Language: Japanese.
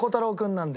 なんで。